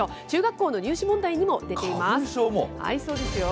中学校の入試問題にも出ています。